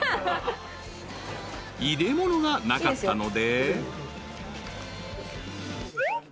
［入れ物がなかったので］